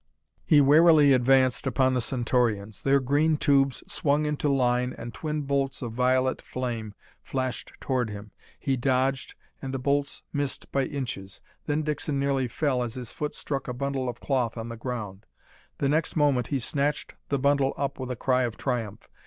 He warily advanced upon the Centaurians. Their green tubes swung into line and twin bolts of violet flame flashed toward him. He dodged, and the bolts missed by inches. Then Dixon nearly fell as his foot struck a bundle of cloth on the ground. The next moment he snatched the bundle up with a cry of triumph.